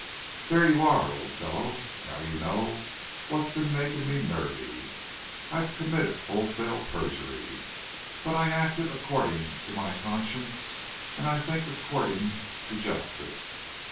There you are, old fellow, now you know what's been making me nervy. I've committed wholesale perjury, but I acted according to my conscience and I think according to justice.